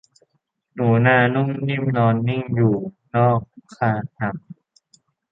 หนูนานุ่มนิ่มนอนนิ่งอยู่นอกขนำ